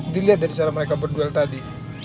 dilihat dari cara mereka berdua tadi